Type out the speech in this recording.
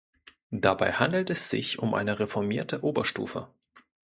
Dabei handelt es sich um eine reformierte Oberstufe.